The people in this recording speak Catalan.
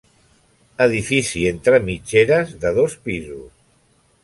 Edifici entre mitgeres, de dos pisos.